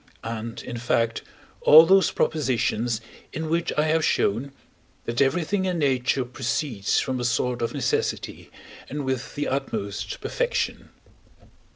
and, in fact, all those propositions in which I have shown, that everything in nature proceeds from a sort of necessity, and with the utmost perfection.